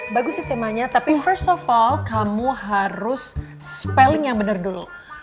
bagus sih temanya tapi first of fall kamu harus spelling yang benar dulu